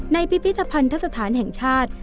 ในพิพิธภัณฑ์ทักษฐานแห่งชาติ